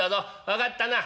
分かったな？